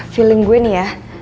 feeling gue nih ya